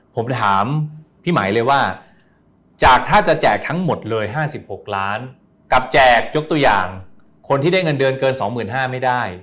ผมถามพี่ไหมเลยว่าจากถ้าจะแจกทั้งหมดเลย๕๖ล้านกับแจกยกตัวอย่างคนที่ได้เงินเดือนเกิน๒๕๐๐ไม่ได้